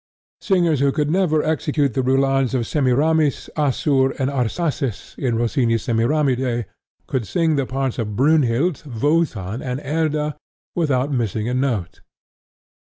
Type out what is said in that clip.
Singers who could never execute the roulades of Semiramis, Assur, and Arsaces in Rossini's Semiramide, could sing the parts of Brynhild, Wotan and Erda without missing a note.